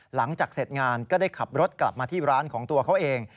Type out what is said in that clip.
หลังจากเสร็จงานก็ได้ขับรถกลับมาที่ร้านของตัวเขาเอง